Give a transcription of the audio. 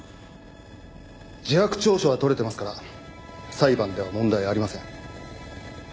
自白調書は取れてますから裁判では問題ありません。